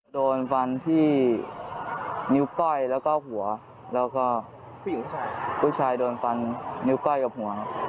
โดนฟันที่นิ้วก้อยแล้วก็หัวแล้วก็ผู้ชายผู้ชายโดนฟันนิ้วก้อยกับหัว